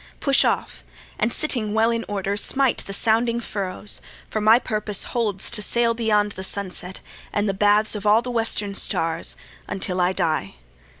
Push off, and sitting well in order smite The sounding furrows; for my purpose holds To sail beyond the sunset, and the baths Of all the western stars, until I die.